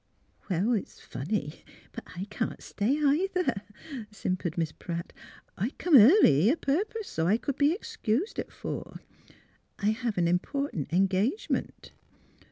'' Well, it's funny, but I can't stay, either," simpered Miss Pratt. '^ I come early a purpose so I c'd be excused at four. I have an important engagement.